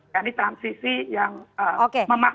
ini transisi yang memaksa